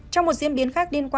trong một diễn biến khác